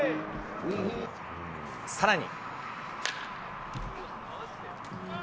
さらに。